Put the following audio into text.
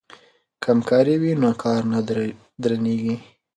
که همکاري وي نو کار نه درنیږي.